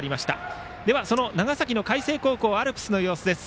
ではその長崎の海星高校アルプスの様子です。